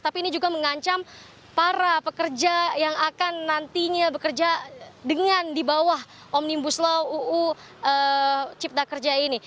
tapi ini juga mengancam para pekerja yang akan nantinya bekerja dengan di bawah omnibus law uu cipta kerja ini